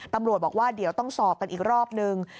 ตำรวจบอกว่าเดี๋ยวต้องสอบกันอีกรอบนึง